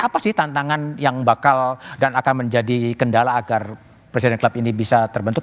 apa sih tantangan yang bakal dan akan menjadi kendala agar presiden club ini bisa terbentuk